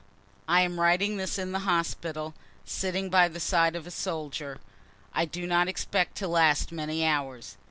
I am writing this in the hospital, sitting by the side of a soldier, I do not expect to last many hours.